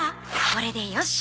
これでよし。